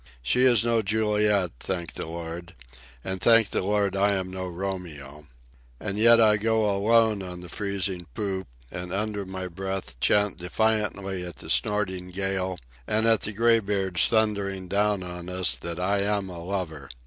She is no Juliet, thank the Lord; and thank the Lord I am no Romeo. And yet I go up alone on the freezing poop, and under my breath chant defiantly at the snorting gale, and at the graybeards thundering down on us, that I am a lover.